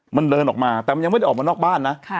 มันเดินออกมาแต่มันยังไม่ได้ออกมานอกบ้านนะ